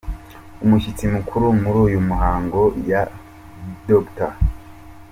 Umushyitsi mukuru muri uyu muhango yari Dr.